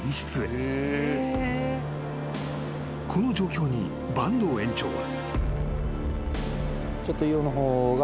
［この状況に坂東園長は］